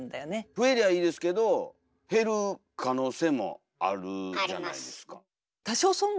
増えりゃいいですけど減る可能性もあるじゃないですか。